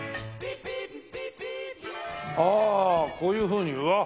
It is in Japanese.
ああこういうふうにうわっ。